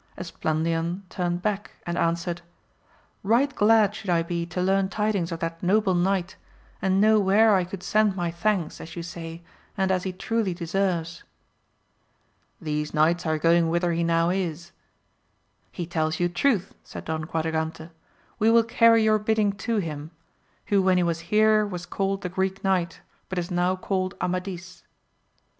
Esplandian turned back and answered. Right glad should I be to learn tidings of AMADIS OF GAUL. 115 that noble knight and know where I could send my thanks, as you say, and as he truly deserves. — ^These knights are going whither he now is. He tells you truth, said Don Quadragante; we will carry your bidding to him, who when he was here was called the Greek Knight, but is now called Amadis.